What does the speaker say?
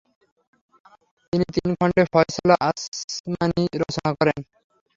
তিনি তিন খণ্ডে ফয়সলা আসমানি রচনা করেন।